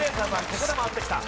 ここで回ってきた。